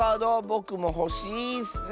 ぼくもほしいッス。